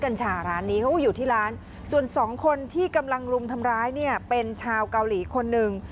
กัญชาร้านนี้เขาก็อยู่ที่ร้านส่วนสองคนที่กำลังรุมทำร้ายเนี่ยเป็นชาวเกาหลีคนหนึ่ง